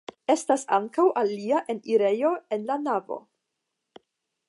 Estas ankaŭ alia enirejo en la navo.